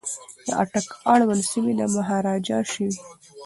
د اټک اړوند سیمي د مهاراجا شوې.